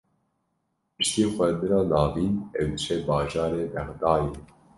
Piştî xwendina navîn, ew diçe bajarê Bexdayê